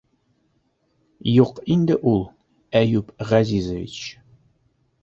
Юҡ инде ул, Әйүп Ғәзизович.